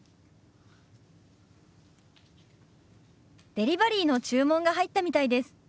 デリバリーの注文が入ったみたいです。